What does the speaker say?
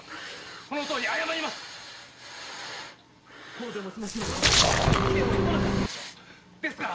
こうでもしなければ貴殿は来なかったでしょうですから。